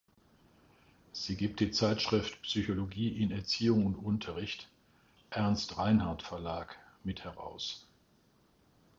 Sie gibt die Zeitschrift Psychologie in Erziehung und Unterricht (Ernst Reinhardt Verlag) mit heraus.